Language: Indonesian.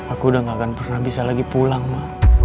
aku udah gak akan pernah bisa lagi pulang mah